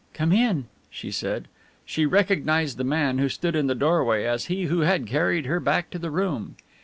"Come in," she said. She recognized the man who stood in the doorway as he who had carried her back to the room.